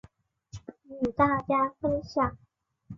与大家分享